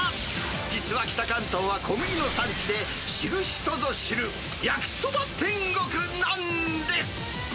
実は北関東は小麦の産地で、知る人ぞ知る、焼きそば天国なんです。